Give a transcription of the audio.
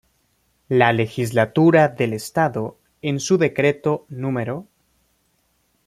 La Legislatura del Estado en su decreto No.